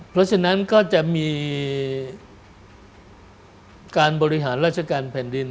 เพราะฉะนั้นก็จะมีการบริหารราชการแผ่นดิน